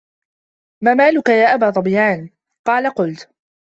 مَا مَالُك يَا أَبَا ظَبْيَانَ ؟ قَالَ قُلْت